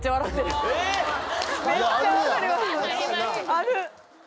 ある！